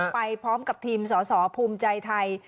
ไปพร้อมกับทีมสสภูมิใจไทย